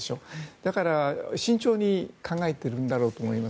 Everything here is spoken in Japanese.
だから、慎重に考えているんだろうと思います。